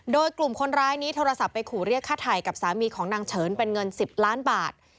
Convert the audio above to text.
โดยกลุ่มคนร้ายนี้โทรศัพท์ไปขู่เรียกค่าไถ่กับสามีของนางเฉินเป็นเงิน๑๐ล้านบาท